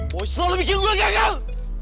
boi selalu bikin gue gagal